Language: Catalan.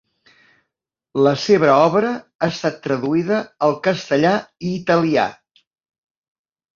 La seva obra ha estat traduïda al castellà i italià.